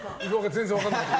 全然分からなかった。